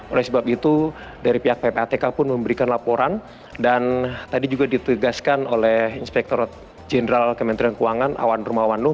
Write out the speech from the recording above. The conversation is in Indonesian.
oleh sebab itu dari pihak ppatk pun memberikan laporan dan tadi juga ditegaskan oleh inspektorat jenderal kementerian keuangan awan rumawanuh